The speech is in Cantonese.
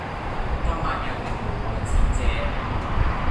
今晚約定無謂辭謝